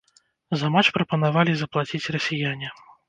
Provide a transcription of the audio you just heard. За матч прапанавалі заплаціць расіяне.